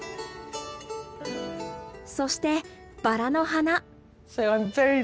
そしてバラの花。